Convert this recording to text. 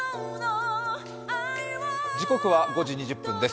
時刻は５時２０分です。